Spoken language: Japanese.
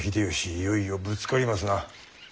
いよいよぶつかりますな。